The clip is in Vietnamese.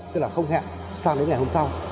tức là không hẹn sang đến ngày hôm sau